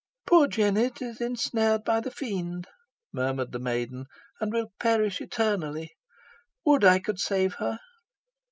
"Poor Jennet is ensnared by the Fiend," murmured the maiden, "and will perish eternally. Would I could save her!"